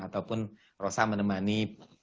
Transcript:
ataupun rosa menemani